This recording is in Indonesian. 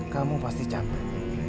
kamu pasti cantik